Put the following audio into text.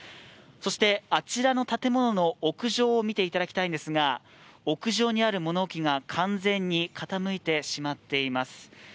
そして、あちらの建物の屋上を見ていただきたいのですが、屋上にある物置が完全に傾いてしまっています。